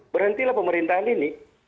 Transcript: berhentilah pemerintahan ini